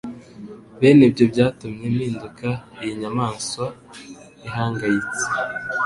bene ibyo byatumye mpinduka iyi nyamaswa ihangayitse